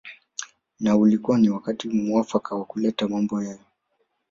Na ulikuwa ni wakati muafaka wa kuleta mambo hayo